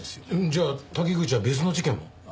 じゃあ滝口は別の事件も？